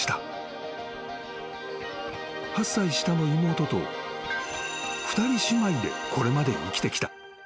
［８歳下の妹と二人姉妹でこれまで生きてきた］